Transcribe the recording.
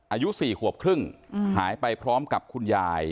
อายุ๔ขวบครึ่งหายไปพร้อมกับคุณยาย